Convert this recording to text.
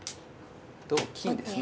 同金ですね。